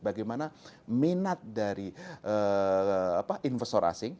bagaimana minat dari investor asing